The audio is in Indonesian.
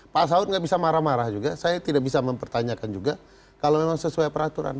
pak saud nggak bisa marah marah juga saya tidak bisa mempertanyakan juga kalau memang sesuai peraturan